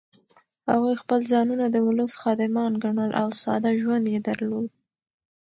هغوی خپل ځانونه د ولس خادمان ګڼل او ساده ژوند یې درلود.